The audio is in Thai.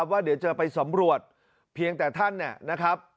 ว่าเดี๋ยวจะไปสำรวจเพียงแต่ท่านเนี่ยนะครับ